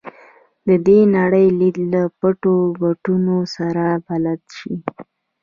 د دې نړۍ لید له پټو ګوټونو سره بلد شي.